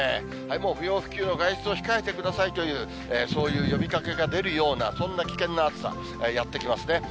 もう不要不急の外出を控えてくださいという、そういう呼びかけが出るような、そんな危険な暑さ、やって来ますね。